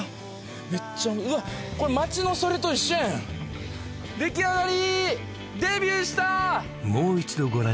めっちゃうわこれ町のそれと一緒やん出来上がり！